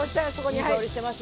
いい香りしてます。